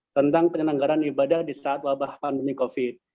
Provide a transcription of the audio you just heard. tentang penyelenggaran ibadah di saat wabah pandemi covid